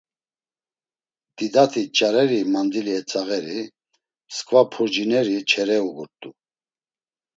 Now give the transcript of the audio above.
Didati nç̌areri mandili etzağeri, msǩva purcineri çere uğurt̆u.